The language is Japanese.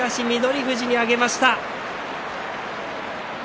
富士に上げました。